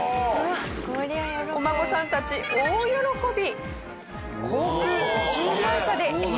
おお！お孫さんたち大喜び！